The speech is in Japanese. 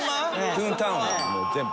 トゥーンタウンの全部。